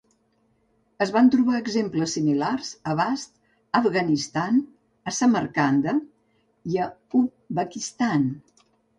Es van trobar exemples similars a Bast, Afganistan, a Samarcanda i a Uzbekistan.